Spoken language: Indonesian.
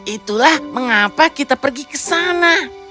itulah mengapa kita pergi ke sana